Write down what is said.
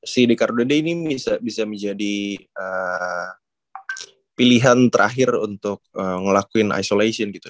si dekardo d ini bisa menjadi pilihan terakhir untuk ngelakuin isolation gitu